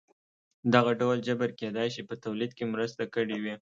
دغه ډول جبر کېدای شي په تولید کې مرسته کړې وي.